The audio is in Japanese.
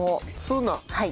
はい。